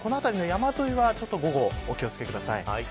山沿いは午後、お気を付けください。